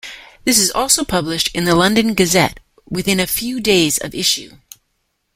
This is also published in the "London Gazette" within a few days of issue.